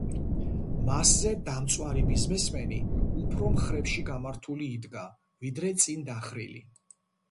მასზე, დამწვარი ბიზნესმენი უფრო მხრებში გამართული იდგა, ვიდრე წინ დახრილი.